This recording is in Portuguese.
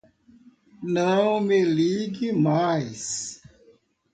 Não me ligue mais!